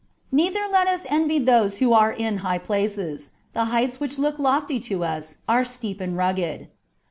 Neither let us envy those who are in high places : the heights which look lofty to us are steep and rugged.